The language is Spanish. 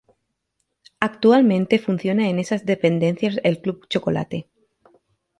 Actualmente funciona en esas dependencias el Club Chocolate.